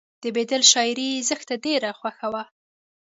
د بیدل شاعري یې زښته ډېره خوښه وه